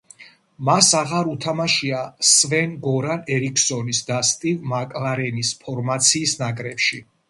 მას აღარ უთამაშია სვენ-გორან ერიქსონის და სტივ მაკლარენის ფორმაციის ნაკრებში.